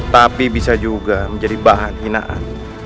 tapi bisa juga menjadi bahan hinaan